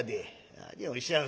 「何をおっしゃいます。